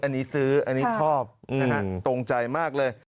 อันนี้ซื้ออันนี้ชอบนะฮะตรงใจมากเลย